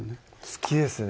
好きですね